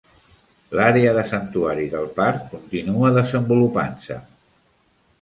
L'àrea de santuari del parc continua desenvolupant-se.